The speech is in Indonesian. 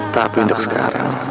tapi untuk sekarang